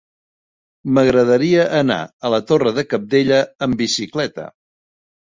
M'agradaria anar a la Torre de Cabdella amb bicicleta.